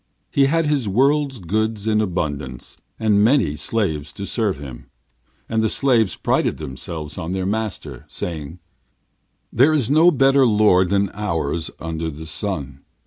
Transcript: He had this world's goods in abundance, and many slaves to serve him. And the slaves prided themselves on their master, saying: 'There is no better lord than ours under the sun.